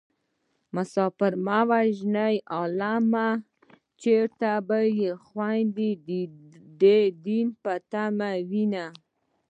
مسافر مه وژنئ عالمه چېرته به يې خويندې د دين په تمه وينه